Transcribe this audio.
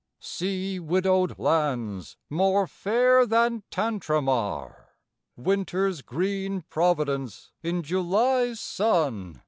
Sea widowed lands more fair than Tantramar! Winter's green providence in July's sun!